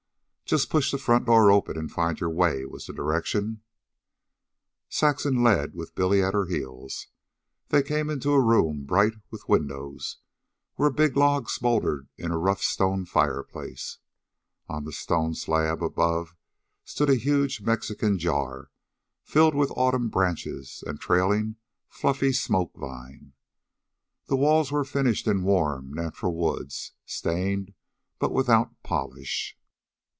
"Just push the front door open and find your way," was the direction. Saxon led, with Billy at her heels. They came into a room bright with windows, where a big log smoldered in a rough stone fireplace. On the stone slab above stood a huge Mexican jar, filled with autumn branches and trailing fluffy smoke vine. The walls were finished in warm natural woods, stained but without polish.